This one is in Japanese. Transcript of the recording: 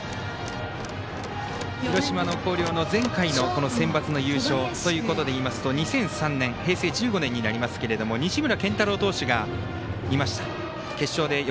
広島の広陵の前回のセンバツの優勝ということでいいますと２００３年平成１５年になりますが西村投手がいました。